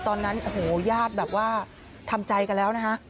ตอนนั้นโอ้โหญาติแบบว่าทำใจกันแล้วนะฮะ